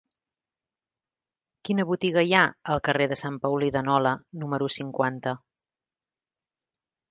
Quina botiga hi ha al carrer de Sant Paulí de Nola número cinquanta?